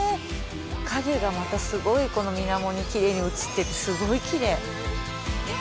影がまたすごいこの水面に奇麗に映っててすごい奇麗。